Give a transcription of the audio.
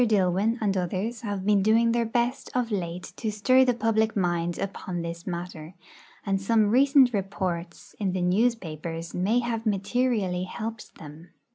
Dillwyn and others have been doing their best of late to stir the public mind upon this matter, and some recent reports in the newspapers may have materially helped them.